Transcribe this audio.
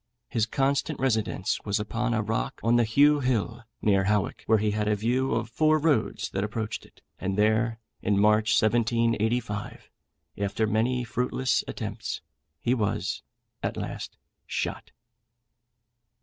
His constant residence was upon a rock on the Heugh Hill, near Howick, where he had a view of four roads that approached it; and there, in March 1785, after many fruitless attempts, he was at last shot.